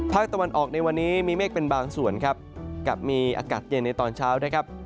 ตะวันออกในวันนี้มีเมฆเป็นบางส่วนครับกับมีอากาศเย็นในตอนเช้านะครับ